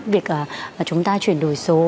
việc chúng ta chuyển đổi số